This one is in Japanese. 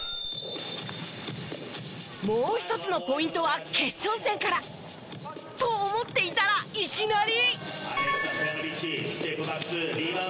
もう一つのポイントは決勝戦から。と思っていたらいきなり。